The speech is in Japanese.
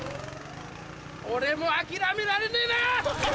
俺も諦められねえな！